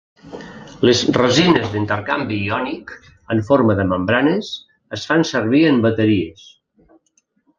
Les resines d'intercanvi iònic en forma de membranes es fan servir en bateries.